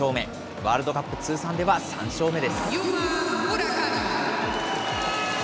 ワールドカップ通算では３勝目です。